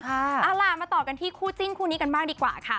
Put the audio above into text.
เอาล่ะมาต่อกันที่คู่จิ้นคู่นี้กันบ้างดีกว่าค่ะ